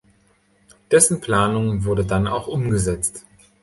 Dessen Planung wurde dann auch umgesetzt.